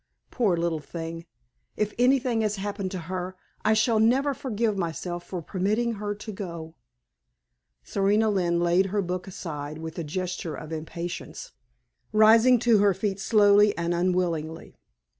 Poor little thing! if anything has happened to her I shall never forgive myself for permitting her to go." Serena Lynne laid her book aside with a gesture of impatience, rising to her feet slowly and unwillingly.